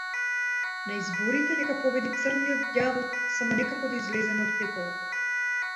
На изборите нека победи црниот ѓавол, само некако да излеземе од пеколов!